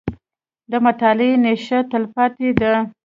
• د مطالعې نیشه، تلپاتې ده.